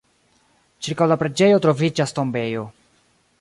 Ĉirkaŭ la preĝejo troviĝas tombejo.